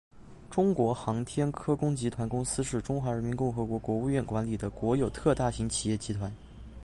中国航天科工集团公司是中华人民共和国国务院管理的国有特大型企业集团。